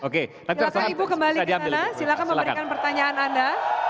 silahkan ibu kembali kesana silahkan memberikan pertanyaan anda